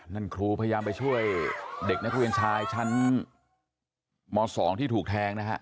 นั่นครูพยายามไปช่วยเด็กนักเรียนชายชั้นม๒ที่ถูกแทงนะฮะ